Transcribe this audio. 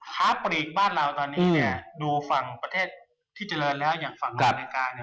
ค้าปลีกบ้านเราตอนนี้ดูฝั่งประเทศที่เจริญแล้วอย่างฝั่งอเมริกา